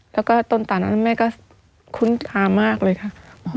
แล้วก็ต้นตานนั้นแม่ก็คุ้นคามากเลยค่ะ